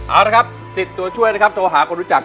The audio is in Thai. เอาละครับสิทธิ์ตัวช่วยนะครับโทรหาคนรู้จัก